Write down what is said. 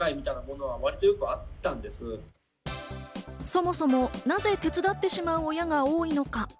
そもそも、なぜ手伝ってしまう親が多いのか？